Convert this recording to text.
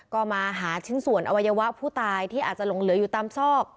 ก็มาหาชิ้นส่วนอวัยวะผู้ตายที่อาจจะหลงเหลืออยู่ตามซอก